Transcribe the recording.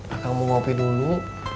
akang mau kopi dulu